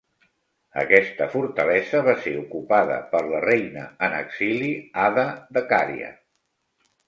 Aquesta fortalesa va ser ocupada per la reina en exili Ada de Cària.